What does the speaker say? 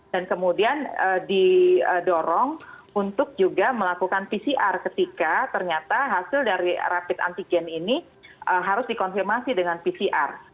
kemudian didorong untuk juga melakukan pcr ketika ternyata hasil dari rapid antigen ini harus dikonfirmasi dengan pcr